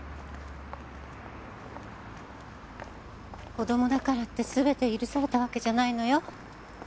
子どもだからってすべて許されたわけじゃないのよ。